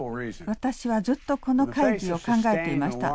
私はずっとこの会議を考えていました。